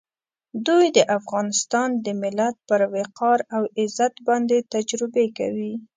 دوی د افغانستان د ملت پر وقار او عزت باندې تجربې کوي.